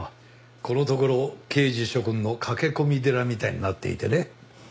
このところ刑事諸君の駆け込み寺みたいになっていてね。